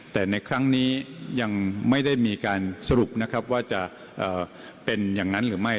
แต่ในครั้งนี้ยังไม่ได้มีการสรุปนะครับว่าจะเป็นอย่างนั้นหรือไม่